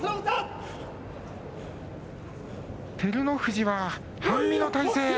照ノ富士は半身の体勢。